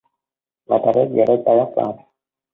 mà ta riết giữa đôi tay thất vọng.